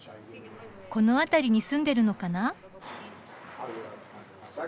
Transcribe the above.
この辺りに住んでるのかな。